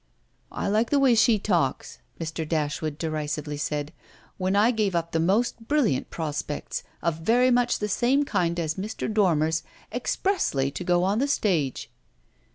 "I like the way she talks," Mr. Dashwood derisively said, "when I gave up the most brilliant prospects, of very much the same kind as Mr. Dormer's, expressly to go on the stage."